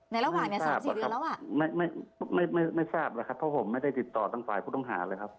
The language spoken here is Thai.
ไม่ทราบหรอกครับไม่ทราบหรอกครับเพราะผมไม่ได้ติดต่อทั้งฝ่ายผู้ต้องหาเลยครับ